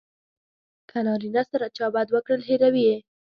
که نارینه سره چا بد وکړل هیروي یې.